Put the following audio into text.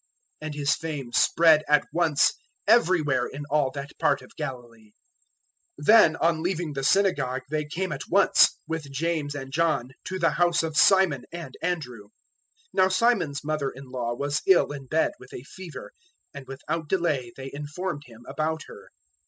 001:028 And His fame spread at once everywhere in all that part of Galilee. 001:029 Then on leaving the synagogue they came at once, with James and John, to the house of Simon and Andrew. 001:030 Now Simon's mother in law was ill in bed with a fever, and without delay they informed Him about her.